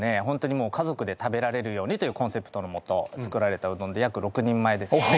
ホントにもう家族で食べられるようにというコンセプトの下作られたうどんで約６人前です。